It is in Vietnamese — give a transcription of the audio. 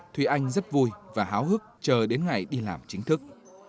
thùy anh rất vui và háo hức chờ đến ngày đi làm chính thức